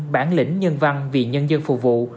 bản lĩnh nhân văn vì nhân dân phục vụ